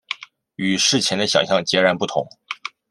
与事前的想像截然不同